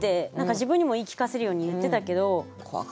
自分にも言い聞かせるように言ってたけど。